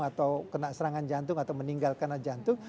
atau kena serangan jantung atau meninggal karena jantung